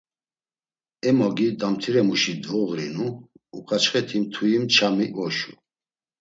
Em ogi damtiremuşi dvoğurinu, uǩaçxeti mtui-ç̌ami oşu.